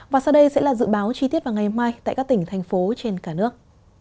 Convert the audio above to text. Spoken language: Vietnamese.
và sau đây sẽ là dự báo chi tiết vào ngày mai tại các tỉnh thành phố trên cả nước